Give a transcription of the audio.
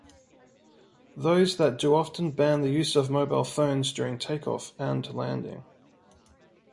Those that do often ban the use of mobile phones during take-off and landing.